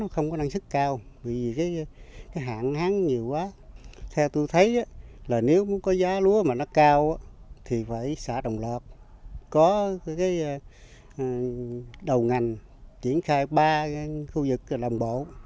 đồng lập có đầu ngành triển khai ba khu vực làm bộ